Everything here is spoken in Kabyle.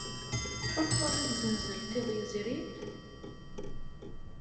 Tḥulfaḍ i tzenzelt iḍ yezrin?